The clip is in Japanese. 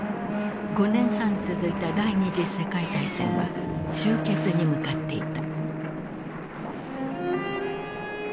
５年半続いた第二次世界大戦は終結に向かっていた。